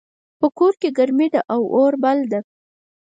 په کور کې ګرمي ده او اور بل ده